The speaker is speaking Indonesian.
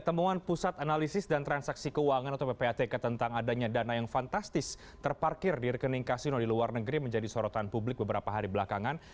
temuan pusat analisis dan transaksi keuangan atau ppatk tentang adanya dana yang fantastis terparkir di rekening kasino di luar negeri menjadi sorotan publik beberapa hari belakangan